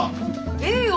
ええよ